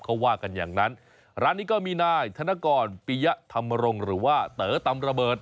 เขาว่ากันอย่างนั้นร้านนี้ก็มีนายธนกรปียะธรรมรงค์หรือว่าเต๋อตำระเบิด